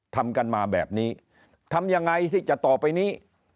ทำกันมาแบบนี้ทำยังไงที่จะต่อไปนี้